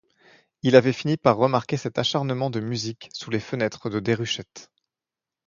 Il avait fini par remarquer cet acharnement de musique sous les fenêtres de Déruchette.